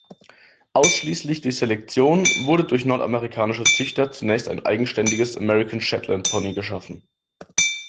Ausschließlich durch Selektion wurde durch nordamerikanische Züchter zunächst ein eigenständiges "American Shetland-Pony" geschaffen.